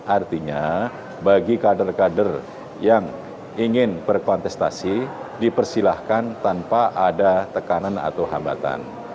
artinya bagi kader kader yang ingin berkontestasi dipersilahkan tanpa ada tekanan atau hambatan